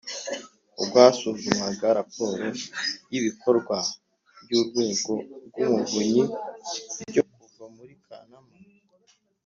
ubwo hasuzumwaga raporo y ibikorwa by Urwego rw Umuvunyi byo kuva muri kanama